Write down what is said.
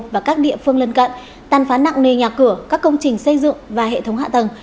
và các địa phương lân cận tàn phá nặng nề nhà cửa các công trình xây dựng và hệ thống hạ tầng